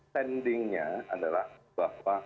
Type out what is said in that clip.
pendingnya adalah bahwa